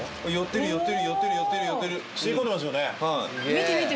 見て見て。